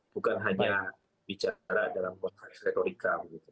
bukan hanya bicara dalam konteks retorika